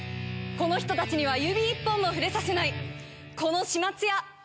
この人たちには指一本も触れさせない！